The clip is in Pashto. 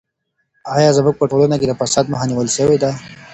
ایا زموږ په ټولنه کې د فساد مخه نیول سوې ده؟